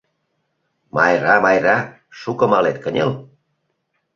— Майра, Майра, шуко малет, кынел!